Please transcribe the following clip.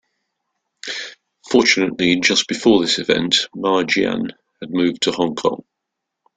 Fortunately, just before this event, Ma Jian had moved to Hong Kong.